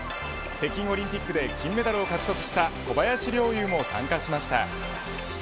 北京オリンピックで金メダルを獲得した小林陵侑も参加しました。